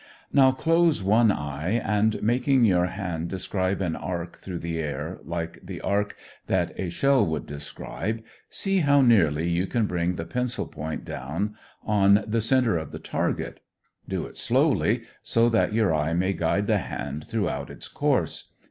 Now close one eye and making your hand describe an arc through the air, like the arc that a shell would describe, see how nearly you can bring the pencil point down on the center of the target. Do it slowly, so that your eye may guide the hand throughout its course.